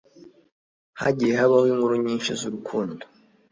hagiye habaho inkuru nyinshi z'urukundo